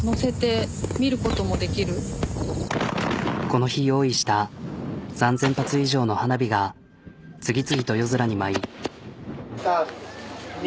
この日用意した３、０００発以上の花火が次々と夜空に舞い。